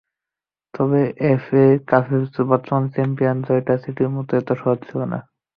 তবে এফএ কাপের বর্তমান চ্যাম্পিয়নদের জয়টা সিটির মতো এতটা সহজ ছিল না।